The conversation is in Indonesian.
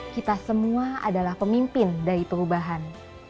kita semua adalah pemimpin dari perubahan